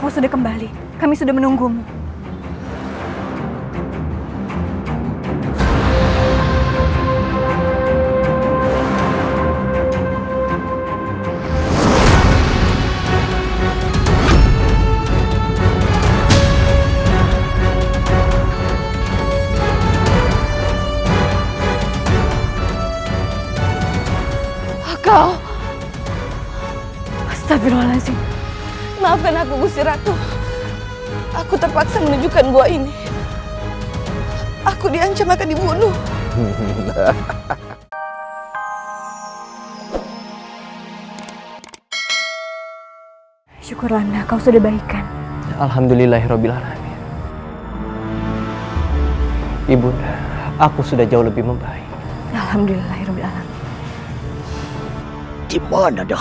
sampai jumpa di video selanjutnya